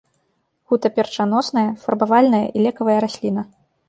Гутаперчаносная, фарбавальная і лекавая расліна.